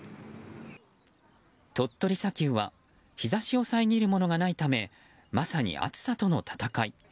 鳥取砂丘は日差しを遮るものがないためまさに暑さとの戦い。